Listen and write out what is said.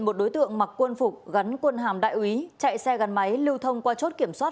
một đối tượng mặc quân phục gắn quân hàm đại úy chạy xe gắn máy lưu thông qua chốt kiểm soát